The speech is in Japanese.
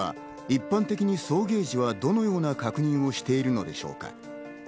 一般的に送迎時はどのような確認をしているのでしょうか。